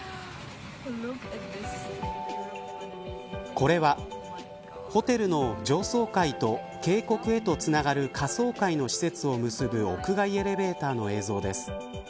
これはホテルの上層階と渓谷へとつながる下層階の施設を結ぶ屋外エレベーターの映像です。